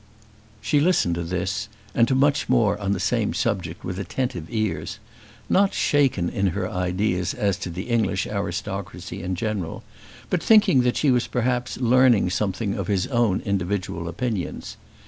She listened to this and to much more on the same subject with attentive ears, not shaken in her ideas as to the English aristocracy in general, but thinking that she was perhaps learning something of his own individual opinions.